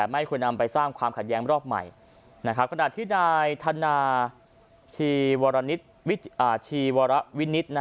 ไม่ควรนำไปสร้างความขัดแย้งรอบใหม่ขณะที่นายธนาชีวรชีวรวินิต